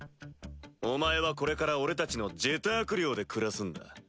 お前はこれから俺たちのジェターク寮で暮らすんだ。